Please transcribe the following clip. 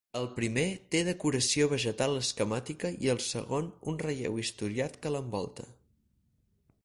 El primer té decoració vegetal esquemàtica i el segon un relleu historiat que l'envolta.